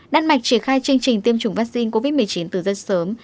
đan mạch triển khai chương trình tiêm chủng vaccine covid một mươi chín từ rất sớm